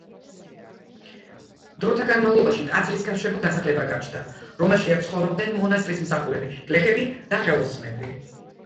დროთა განმავლობაში ტაძრის გარშემო დასახლება გაჩნდა, რომელშიც ცხოვრობდნენ მონასტრის მსახურები, გლეხები და ხელოსნები.